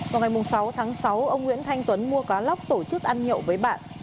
vào ngày sáu tháng sáu ông nguyễn thanh tuấn mua cá lóc tổ chức ăn nhậu với bạn